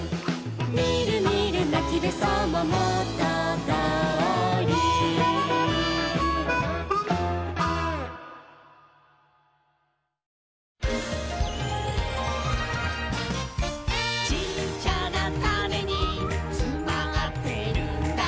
「みるみるなきべそももとどおり」「ちっちゃなタネにつまってるんだ」